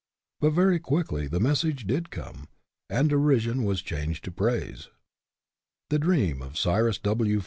But very quickly the message did come, and derision was changed to praise. The dream of Cyrus W.